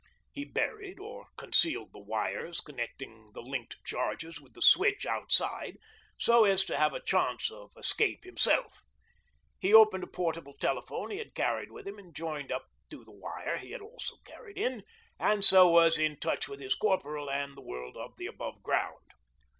He buried or concealed the wires connecting the linked charges with the switch outside so as to have a chance of escape himself. He opened a portable telephone he had carried with him and joined up to the wire he had also carried in, and so was in touch with his Corporal and the world of the aboveground.